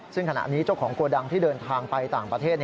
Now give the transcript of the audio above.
ซึ่งขณะนี้เจ้าของโกดังที่เดินทางไปต่างประเทศ